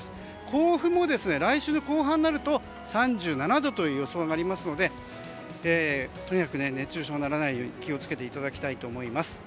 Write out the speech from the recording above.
甲府も来週の後半になると３７度という予想がありますのでとにかく熱中症にならないよう気を付けていただきたいと思います。